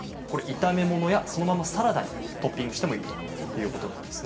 炒め物やそのままサラダにトッピングしてもいいということです。